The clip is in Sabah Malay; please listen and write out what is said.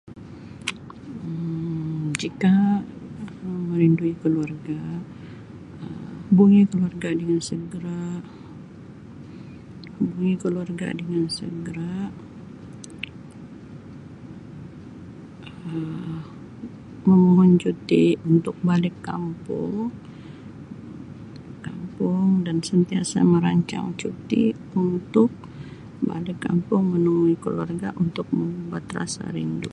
Um Jika merindui keluarga Um hubungi keluarga dengan segera hubungi keluarga dengan segera Um memohon cuti untuk balik kampung kampung dan sentiasa merancang cuti untuk balik kampung menemui keluarga untuk mengubat rasa rindu.